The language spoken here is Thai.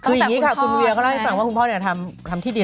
คืออย่างนี้ค่ะคุณเวียก็เล่าให้ฟังว่าคุณพ่อทำที่ดี